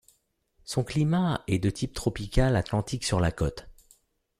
Son climat est de type tropical atlantique sur la côte.